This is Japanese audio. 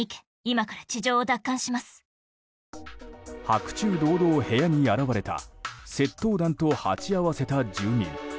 白昼堂々、部屋に現れた窃盗団と鉢合わせた住民。